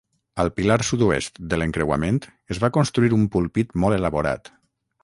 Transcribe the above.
Al pilar sud-oest de l"encreuament es va construir un púlpit molt elaborat.